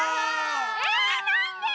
えなんで！